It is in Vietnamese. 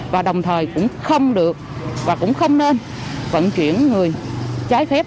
và đồng thời cũng không được và cũng không nên vận chuyển người trái phép